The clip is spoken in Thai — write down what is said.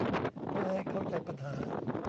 เพื่อให้เข้าใจปัญหา